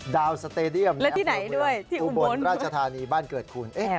ดาวน์สเตรเดียมที่อุบวนราชธานีบ้านเกิดคุณแล้วที่ไหนด้วย